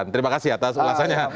terima kasih atas ulasannya